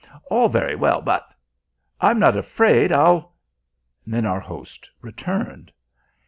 "... all very well, but " "I'm not afraid, I'll " Then our host returned.